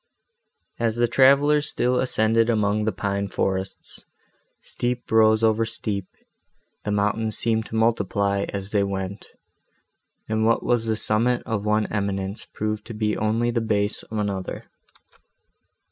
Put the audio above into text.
As the travellers still ascended among the pine forests, steep rose over steep, the mountains seemed to multiply, as they went, and what was the summit of one eminence proved to be only the base of another.